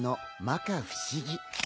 まか不思議。